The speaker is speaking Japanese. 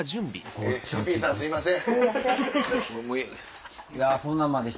はいすいません